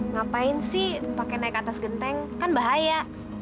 ngapain sih pakai naik atas genteng kan bahaya